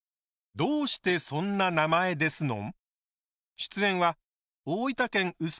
「どうしてそんな名前ですのん」